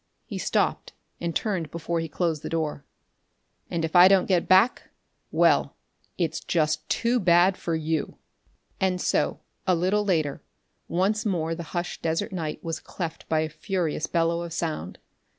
He stopped and turned before he closed the door. "And if I don't get back well, it's just too bad for you!" And so, a little later, once more the hushed desert night was cleft by a furious bellow of sound.